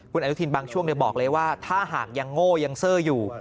คุณอนุทินบางช่วงบอกเลยว่าถ้าหากยังโง่ยังเซอร์อยู่